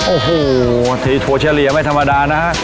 โอ้โหทีโทเฉลี่ยไม่ธรรมดานะฮะ